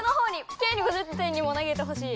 「ケイに５０点」にも投げてほしい。